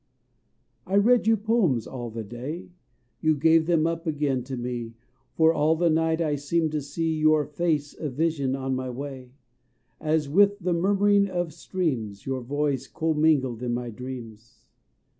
I read you poems all the day; You gave them up again to me, For all the night I seemed to see Your face a vision on my way, As with the murmuring of streams Your voice commingled in my dreams.